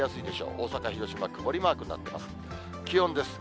大阪、広島、曇りマークになっています。